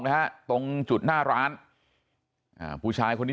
ไม่รู้ตอนไหนอะไรยังไงนะ